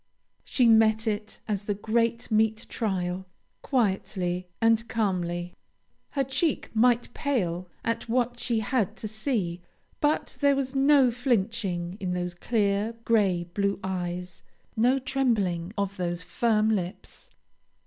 She met it as the great meet trial, quietly and calmly. Her cheek might pale at what she had to see, but there was no flinching in those clear, gray blue eyes, no trembling of those firm lips.